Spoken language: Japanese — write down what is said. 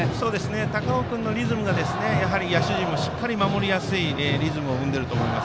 高尾君のリズムが野手陣がしっかり守りやすいリズムを生んでいます。